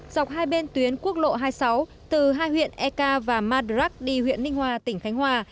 dọc hai bên tuyến quốc lộ hai mươi sáu từ hai huyện eka và madrak đi huyện ninh hòa tỉnh khánh hòa